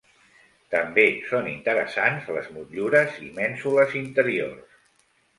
També són interessants les motllures i mènsules interiors.